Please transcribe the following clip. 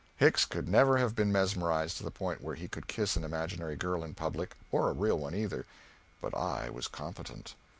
Hicks could never have been mesmerized to the point where he could kiss an imaginary girl in public, or a real one either, but I was competent.